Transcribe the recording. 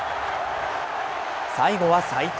最後は齋藤。